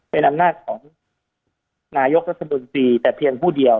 เป็นอำนาจของนายกรัฐมนตรีแต่เพียงผู้เดียว